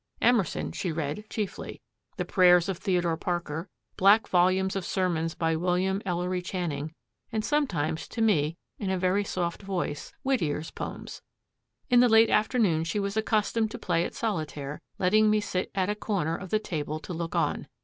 Emerson she read chiefly; the prayers of Theodore Parker; black volumes of sermons by William Ellery Channing; and sometimes, to me, in a very soft voice, Whittier's poems. In the late afternoons she was accustomed to play at solitaire, letting me sit at a corner of the table to look on.